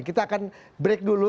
kita akan break dulu